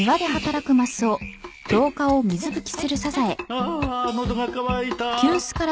ああ喉が渇いた